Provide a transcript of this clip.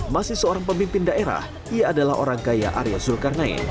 masih seorang pemimpin daerah ia adalah orang kaya arya zulkarnain